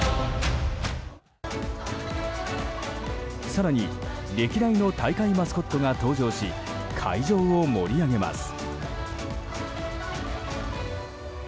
更に、歴代の大会マスコットが登場し会場を盛り上げます。